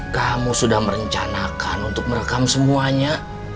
kamu sudah merencanakan untuk merekam semuanya